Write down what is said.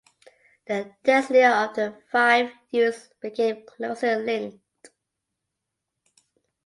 The destiny of the five youths became closely linked.